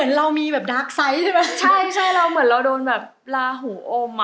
ใช่เราเหมือนเราโดนแบบลาหูอมอ่ะ